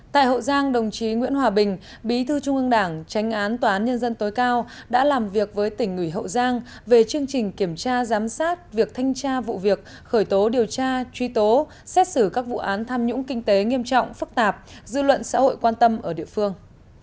tại hậu giang đồng chí nguyễn hòa bình bí thư trung ương đảng tránh án tòa án nhân dân tối cao đã làm việc với tỉnh ủy hậu giang về chương trình kiểm tra giám sát việc thanh tra vụ việc khởi tố điều tra truy tố xét xử các vụ án tham nhũng kinh tế nghiêm trọng phức tạp dư luận xã hội quan tâm ở địa phương